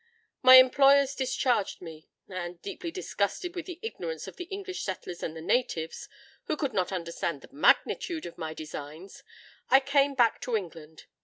My employers discharged me; and, deeply disgusted with the ignorance of the English settlers and the natives, who could not understand the magnitude of my designs, I came back to England.